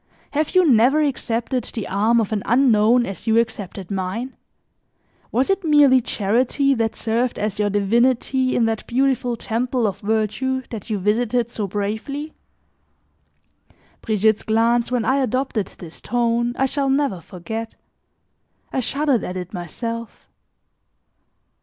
Have you never accepted the arm of an unknown as you accepted mine? Was it merely charity that served as your divinity in that beautiful temple of verdure that you visited so bravely?" Brigitte's glance when I adopted this tone, I shall never forget; I shuddered at it myself.